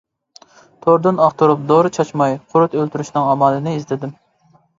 توردىن ئاختۇرۇپ دورا چاچماي قۇرت ئۆلتۈرۈشنىڭ ئامالىنى ئىزدىدىم.